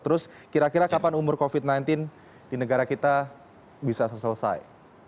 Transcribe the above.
terus kira kira kapan umur covid sembilan belas di negara kita bisa selesai